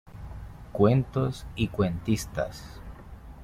Cuentos y cuentistas.